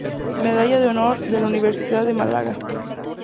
Medalla de honor de la Universidad de Málaga.